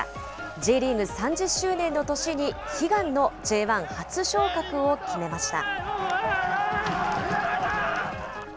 Ｊリーグ３０周年の年に、悲願のＪ１初昇格を決めました。